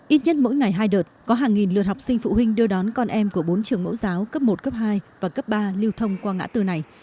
ít nhất mỗi ngày hai đợt có hàng nghìn lượt học sinh phụ huynh đưa đón con em của bốn trường mẫu giáo cấp một cấp hai và cấp ba lưu thông qua ngã tư này